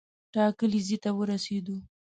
ټاکلي ځای ته ورسېدو.